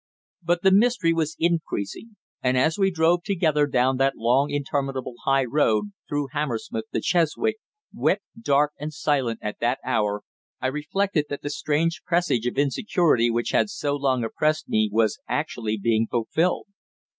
But the mystery was increasing, and as we drove together down that long interminable high road through Hammersmith to Chiswick, wet, dark and silent at that hour, I reflected that the strange presage of insecurity which had so long oppressed me was actually being fulfilled.